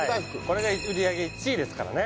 これが売り上げ１位ですからね